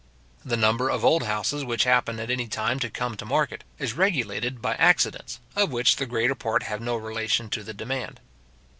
The number of old houses which happen at any time to come to market, is regulated by accidents, of which the greater part have no relation to the demand.